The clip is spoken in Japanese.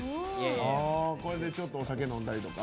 これでちょっとお酒飲んだりとか。